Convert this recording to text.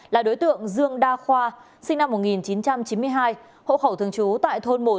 là đối tượng dương đa khoa sinh năm một nghìn chín trăm chín mươi hai hộ khẩu thường trú tại thôn một